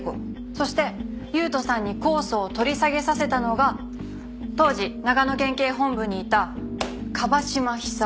そして優人さんに控訴を取り下げさせたのが当時長野県警本部にいた椛島寿夫。